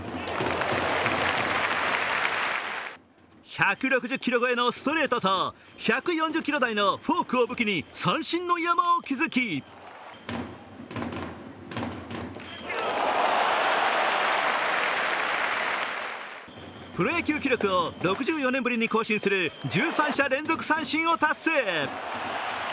１６０キロ超えのストレートと、１４０キロ台のフォークを武器に三振の山を築きプロ野球記録を６４年ぶりに更新する１３者連続三振を達成。